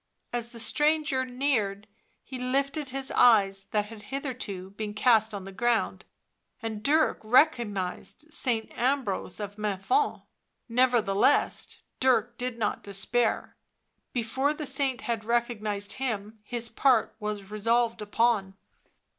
As the stranger neared he lifted his eyes, that had hitherto been cast on the ground, and Dirk recognised Saint Ambrose of Menthon. Never theless Dirk did not despair ; before the saint had recognised him his part was resolved upon.